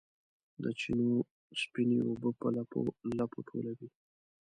د چینو سپینې اوبه په لپو، لپو ټولوي